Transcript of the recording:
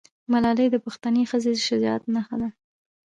ملالۍ د پښتنې ښځې د شجاعت نښه ده.